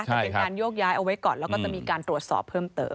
แต่เป็นการโยกย้ายเอาไว้ก่อนแล้วก็จะมีการตรวจสอบเพิ่มเติม